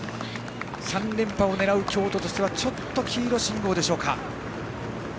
３連覇を狙う京都としてはちょっと黄色信号でしょうか。